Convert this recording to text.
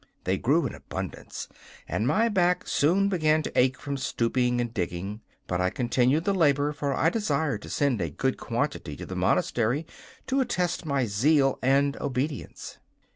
They grew in abundance, and my back soon began to ache from stooping and digging; but I continued the labour, for I desired to send a good quantity to the monastery to attest my zeal and obedience.